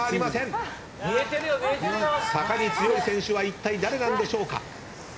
坂に強い選手はいったい誰なんでしょうか。